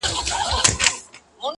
پخوا به سترګه سوځېدله د بابا له ږیري-